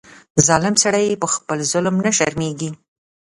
ظالم سړی په خپل ظلم نه شرمېږي.